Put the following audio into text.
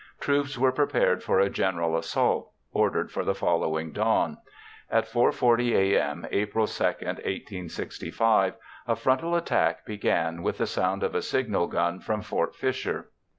Troops were prepared for a general assault ordered for the following dawn. At 4:40 a.m., April 2, 1865, a frontal attack began with the sound of a signal gun from Fort Fisher.